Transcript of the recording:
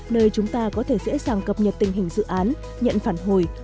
nơi chúng ta có thể dễ dàng cập nhật tình hình dự án nhận phản hồi